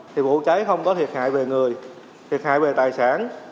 thì vụ cháy không có thiệt hại về người thiệt hại về tài sản